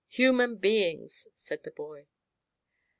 "Human beings," said the boy.